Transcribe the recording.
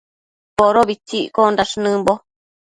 Podobitsi iccosh nëmbo